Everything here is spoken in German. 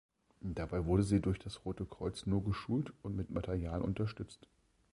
Dabei wurde sie durch das Rote Kreuz nur geschult und mit Material unterstützt.